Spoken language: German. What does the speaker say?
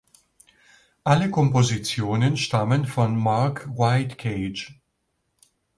Alle Kompositionen stammen von Mark Whitecage.